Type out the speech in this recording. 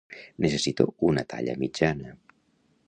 Necessito una talla mitjana.